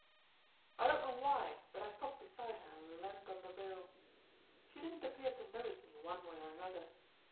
I don't know why, but I stopped beside her and leaned on the rail. She didn't appear to notice me, one way or another.